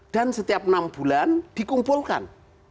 dan setiap enam bulan dikumpulkan